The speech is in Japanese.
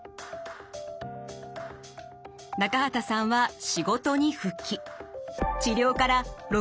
中畠さんは仕事に復帰。